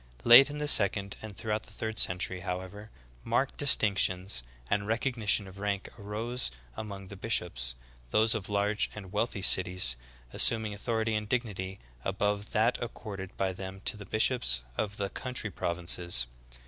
Late in the sec ond, and throughout the third century, however, marked distinctions and recognition of rank arose among the bish ops, those of large and wealthy cities assuming authority and dignity above that accorded by them to the bishops of the country provinces.